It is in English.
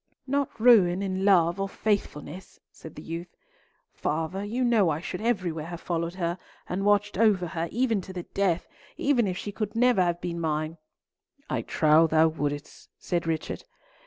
"Not ruin in love or faithfulness," said the youth. "Father, you know I should everywhere have followed her and watched over her, even to the death, even if she could never have been mine." "I trow thou wouldst," said Richard.